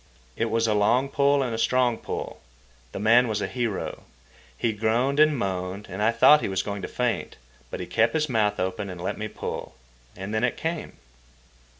It was a long pull and a strong pull. The man was a hero. He groaned and moaned, and I thought he was going to faint. But he kept his mouth open and let me pull. And then it came.